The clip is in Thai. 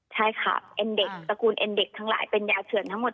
ใช่ค่ะเอ็นเด็กตระกูลเอ็นเด็กทั้งหลายเป็นยาเถื่อนทั้งหมด